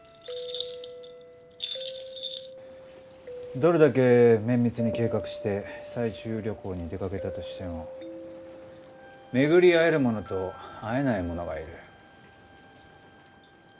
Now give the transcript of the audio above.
どれだけ綿密に計画して採集旅行に出かけたとしても巡り会える者と会えない者がいる。